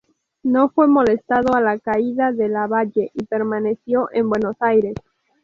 No fue molestado a la caída de Lavalle, y permaneció en Buenos Aires.